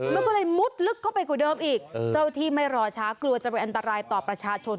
มันก็เลยมุดลึกเข้าไปกว่าเดิมอีกเจ้าที่ไม่รอช้ากลัวจะเป็นอันตรายต่อประชาชน